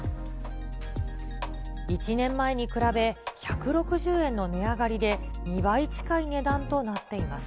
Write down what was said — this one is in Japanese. １年前に比べ、１６０円の値上がりで２倍近い値段となっています。